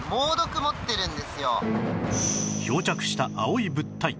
漂着した青い物体